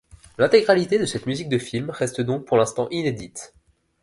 L'intégralité de cette musique de film reste donc pour l'instant inédite.